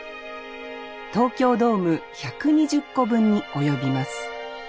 東京ドーム１２０個分に及びます。